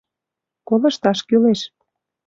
— Колышташ кӱлеш.